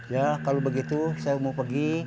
ya kalau begitu saya mau pergi